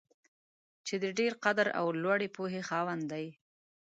چې د ډېر قدر او لوړې پوهې خاوند دی.